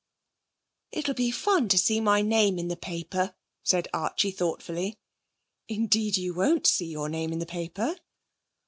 'It'll be fun to see my name in the paper,' said Archie thoughtfully. 'Indeed you won't see your name in the paper.'